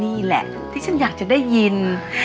นี่แหละที่ฉันอยากจะได้ยิน